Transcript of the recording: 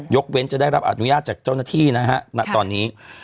เว้นจะได้รับอนุญาตจากเจ้าหน้าที่นะฮะณตอนนี้